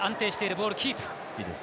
ボールキープ。